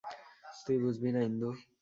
তুই বুঝবি না, ইন্দু।